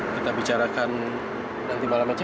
kita bicarakan nanti malam aja